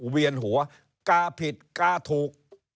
เวียนหัวกาผิดกาถูก